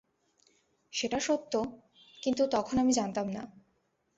সেটা সত্য, কিন্তু তখন আমি জানতাম না।